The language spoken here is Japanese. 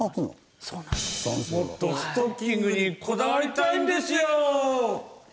もっとストッキングにこだわりたいんですよー！